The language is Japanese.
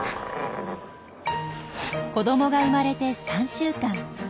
子どもが生まれて３週間。